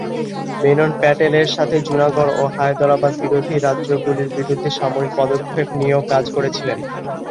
মেনন প্যাটেল এর সাথে জুনাগড় ও হায়দরাবাদ বিরোধী রাজ্যগুলির বিরুদ্ধে সামরিক পদক্ষেপ নিয়েও কাজ করেছিলেন।